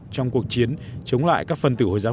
trong cuộc chiến chống lại các phân tử hồi giáo